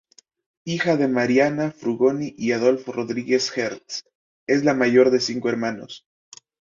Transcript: Hija de Mariana Frugoni y Adolfo Rodriguez Hertz; es la mayor de cinco hermanos.